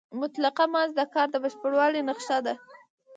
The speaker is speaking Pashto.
مطلقه ماضي د کار د بشپړوالي نخښه ده.